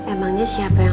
emangnya siapa yang